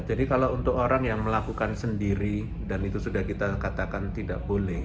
jadi kalau untuk orang yang melakukan sendiri dan itu sudah kita katakan tidak boleh